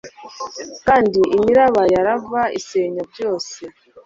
kandi imiraba ya lava isenya byose